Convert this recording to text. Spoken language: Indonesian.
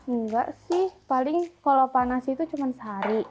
enggak sih paling kalau panas itu cuma sehari